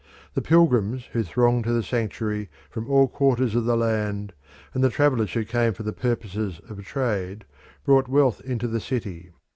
The pilgrims who thronged to the sanctuary from all quarters of the land, and the travellers who came for the purposes of trade, brought wealth into the city.